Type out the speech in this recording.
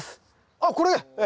あっこれ！